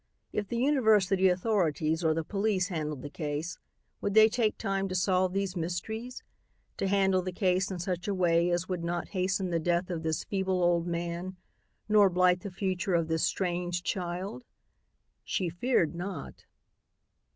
If the university authorities or the police handled the case, would they take time to solve these mysteries, to handle the case in such a way as would not hasten the death of this feeble old man nor blight the future of this strange child? She feared not.